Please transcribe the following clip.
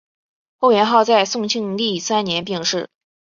后元昊在宋庆历三年病逝。